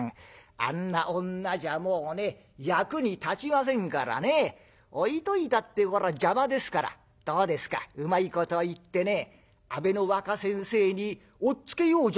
あんな女じゃもうね役に立ちませんからね置いといたって邪魔ですからどうですかうまいこと言ってね阿部の若先生に押っつけようじゃありませんか。